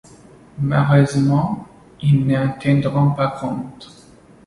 Malheureusement, ils n'en tiendront pas compte.